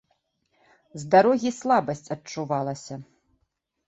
З дарогі слабасць адчувалася.